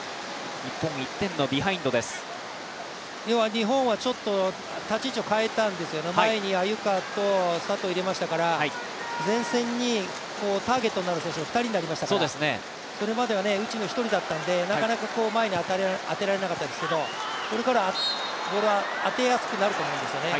日本はちょっと立ち位置を変えたんですよね、前に鮎川と佐藤入れましたから、前線にターゲットになる選手が２人になりましたから、それまでは内野１人だけだったんでなかなか前に当てられなかったですけど、これからは当てやすくなると思うんですよね。